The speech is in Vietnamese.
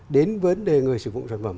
đến vấn đề người sử dụng sản phẩm